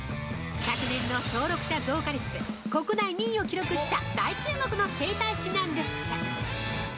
昨年の登録者数増加率、国内２位を記録した大注目の整体師なんです！